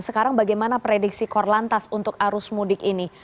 sekarang bagaimana prediksi korlantas untuk arus mudik ini